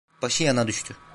Başı yana düştü…